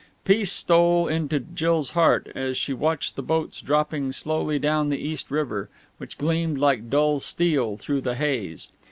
Peace stole into Jill's heart as she watched the boats dropping slowly down the East River, which gleamed like dull steel through the haze.